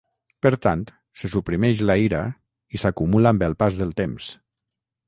Per tant, se suprimeix la ira i s'acumula amb el pas del temps.